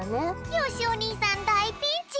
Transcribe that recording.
よしお兄さんだいピンチ！